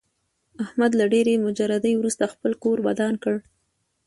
احمد له ډېرې مجردۍ ورسته خپل کور ودان کړ.